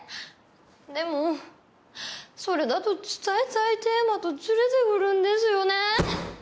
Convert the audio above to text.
でもそれだと伝えたいテーマとずれてくるんですよね。